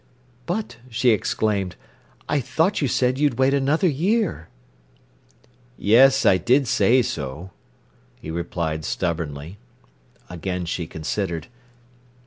"But," she exclaimed, "I thought you said you'd wait another year." "Yes, I did say so," he replied stubbornly. Again she considered.